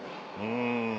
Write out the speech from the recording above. うん。